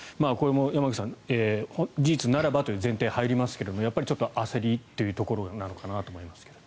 これも山口さん事実ならばという前提が入りますが焦りというところなのかなと思います。